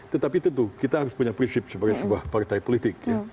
tetapi tentu kita harus punya prinsip sebagai sebuah partai politik